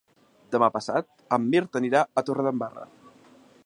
Demà passat en Mirt anirà a Torredembarra.